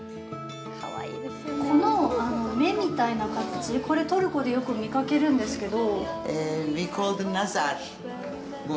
この目みたいな形、これ、トルコでよく見かけるんですけど。